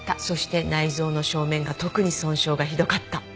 そして内臓の正面が特に損傷がひどかった。